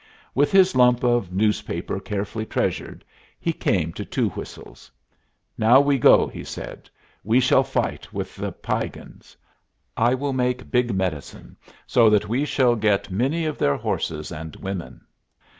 With his lump of newspaper carefully treasured, he came to Two Whistles. "Now we go," he said. "We shall fight with the Piegans. I will make big medicine, so that we shall get many of their horses and women.